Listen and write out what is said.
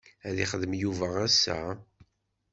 Ad yexdem Yuba ass-a?